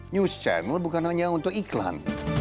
news channel bukan hanya untuk iklan